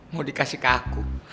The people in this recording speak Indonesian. mau dikasih ke aku